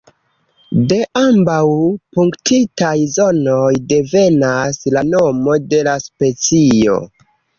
De ambaŭ punktitaj zonoj devenas la nomo de la specio.